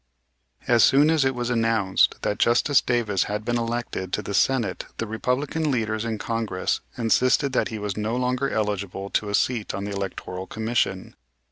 As soon as it was announced that Justice Davis had been elected to the Senate the Republican leaders in Congress insisted that he was no longer eligible to a seat on the Electoral Commission.